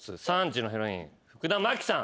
３時のヒロイン福田麻貴さん。